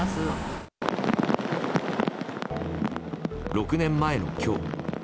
６年前の今日。